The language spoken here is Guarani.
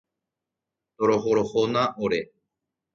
Torohorohóna ore.